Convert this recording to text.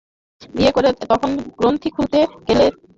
বিয়ে করে তখন গ্রন্থি খুলতে গেলে তাতে আরো জট পড়ে যাবে।